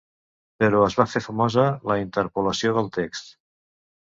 Però es va fer famosa la interpolació del text.